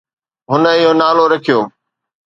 هن اهو نالو رکيو